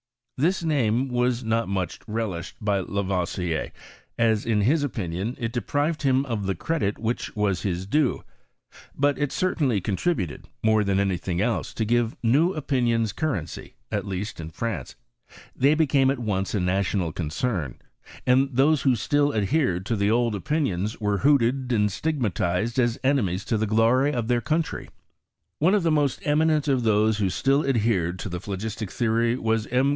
This name was not much relished by tavoisier, as, in his opinion, it deprived him of the credit which was his due; but it certainly contributed, more thaa ajiy thing else, to give the new opinions currency, at least, in France ; they became at once a national concern, and those who still adhered to the old opinions, were hooted and stigmatized as enemies to the glory of their country. One of the most eminent of those who still adhered to the phlogistic theoiy was M.